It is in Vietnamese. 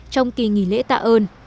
trong kỳ nghỉ lễ tạ ơn